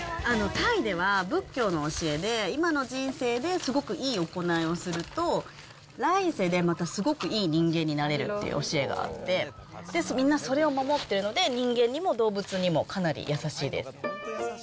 タイでは、仏教の教えで、今の人生ですごくいい行いをすると、来世でまたすごくいい人間になれるっていう教えがあって、みんなそれを守ってるので、人間にも動物にも、かなり優しいです。